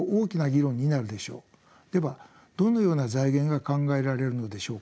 ではどのような財源が考えられるのでしょうか。